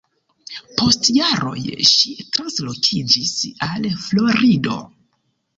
Post jaroj ŝi translokiĝis al Florido.